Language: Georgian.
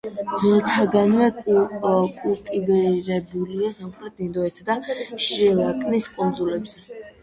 ძველთაგანვე კულტივირებულია სამხრეთ ინდოეთსა და შრი-ლანკის კუნძულებზე.